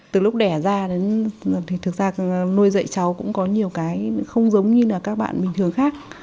từ lúc đẻ ra đến thì thực ra nuôi dạy cháu cũng có nhiều cái không giống như là các bạn bình thường khác